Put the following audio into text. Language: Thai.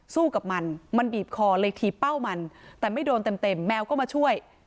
สู้กับมันมันบีบคอเลยถีบเป้ามันแต่ไม่โดนเต็มแมวก็มาช่วย